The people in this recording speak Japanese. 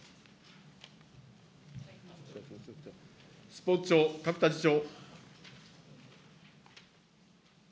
スポーツ長、角田次長。